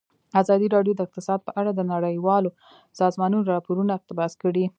ازادي راډیو د اقتصاد په اړه د نړیوالو سازمانونو راپورونه اقتباس کړي.